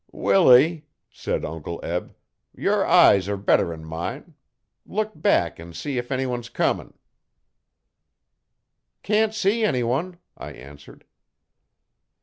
'Willie,' said Uncle Eb, 'your eyes are better'n mine look back and see if anyone's comin'.' 'Can't see anyone,' I answered.